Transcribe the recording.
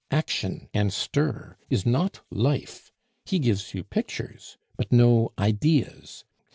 Action and stir is not life; he gives you pictures, but no ideas.